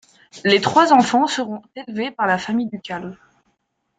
Les trois enfants seront élevés par la famille ducale.